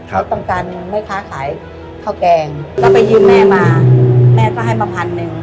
เขาต้องการแม่ค้าขายข้าวแกงก็ไปยืมแม่มาแม่ก็ให้มาพันหนึ่ง